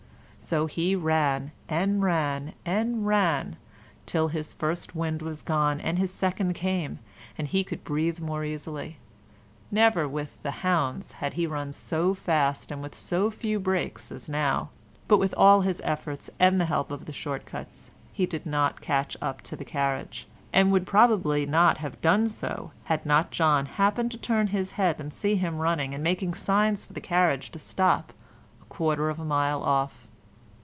So he ran and ran and ran till his first wind was gone and his second came, and he could breathe more easily. Never with "the hounds" had he run so fast and with so few breaks as now, but with all his efforts and the help of the short cuts he did not catch up the carriage, and would probably not have done so had not John happened to turn his head and seen him running and making signs for the carriage to stop a quarter of a mile off.